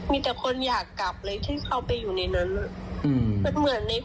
มีแต่คนอยากกลับเลยที่เขาไปอยู่ในนั้น